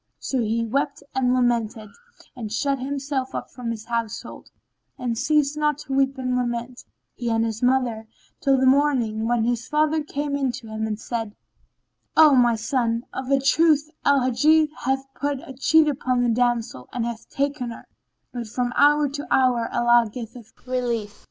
So he wept and lamented and shut himself up from his household; and ceased not to weep and lament, he and his mother, till the morning, when his father came in to him and said, "O my son, of a truth, Al Hajjaj hath put a cheat upon the damsel and hath taken her; but from hour to hour Allah giveth relief."